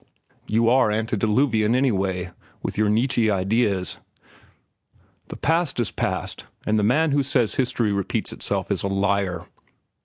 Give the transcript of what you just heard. You are antediluvian anyway, with your Nietzsche ideas. The past is past, and the man who says history repeats itself is a liar.